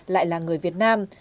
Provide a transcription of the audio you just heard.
lại là người việt nam